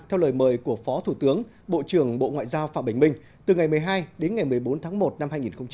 theo lời mời của phó thủ tướng bộ trưởng bộ ngoại giao phạm bình minh từ ngày một mươi hai đến ngày một mươi bốn tháng một năm hai nghìn hai mươi